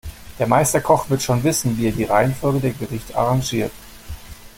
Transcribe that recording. Der Meisterkoch wird schon wissen, wie er die Reihenfolge der Gerichte arrangiert.